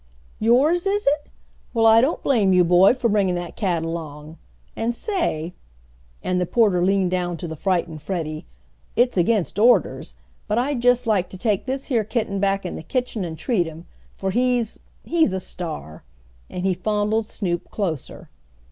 "Yours, is it? Well, I don't blame you, boy, for bringing dat cat along. An' say," and the porter leaned down to the frightened Freddie, "it's against orders, but I'd jest like to take dis yer kitten back in de kitchen and treat him, for he's he's a star!" and he fondled Snoop closer.